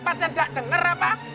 pada gak denger apa